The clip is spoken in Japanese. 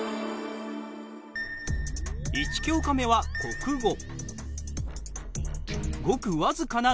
１教科目は国語。